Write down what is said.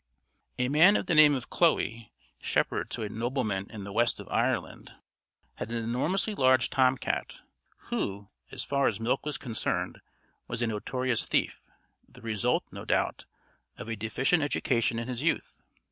] A man of the name of Claughie, shepherd to a nobleman in the West of Ireland had an enormously large Tom cat, who, as far as milk was concerned, was a notorious thief the result, no doubt, of a deficient education in his youth.